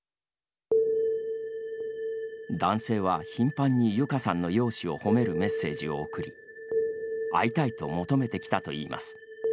男性は頻繁にゆかさんの容姿を褒めるメッセージを送り会いたいと求めてきたといいます。